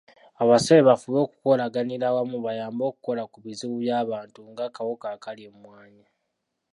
Abasabye bafube okukolaganira awamu bayambe okukola ku bizibu by'abantu ng'akawuka akalya emmwanyi.